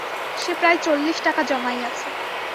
সে প্রায় চল্লিশ টাকা জমাইয়াছে।